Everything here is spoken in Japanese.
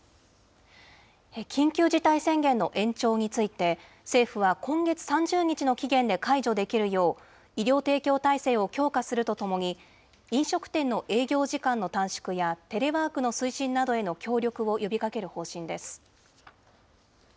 緊急事態宣言の延長について、政府は今月３０日の期限で解除できるよう、医療提供体制を強化するとともに、飲食店の営業時間の短縮やテレワークの推進などへの協力を呼びかける方針です。